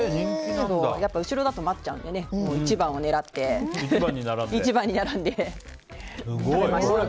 やっぱり後ろだと待っちゃうので１番を狙って１番に並んで食べました。